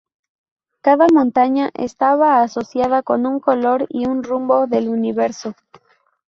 Cada montaña estaba asociada con un color y un rumbo del universo.